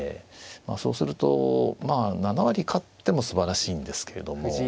まあそうすると７割勝ってもすばらしいんですけれどもはい。